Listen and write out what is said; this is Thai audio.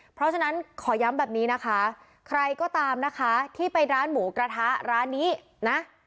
เพราะฉะนั้นขอย้ำแบบนี้นะคะใครก็ตามนะคะที่ไปร้านหมูกระทะร้านนี้นะ